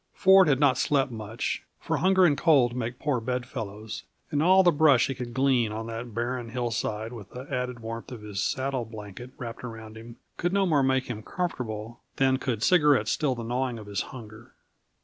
Ford had not slept much, for hunger and cold make poor bedfellows, and all the brush he could glean on that barren hillside, with the added warmth of his saddle blanket wrapped about him, could no more make him comfortable than could cigarettes still the gnawing of his hunger.